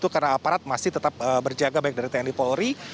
karena aparat masih tetap berjaga baik dari tni polri